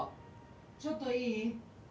ちょっといい？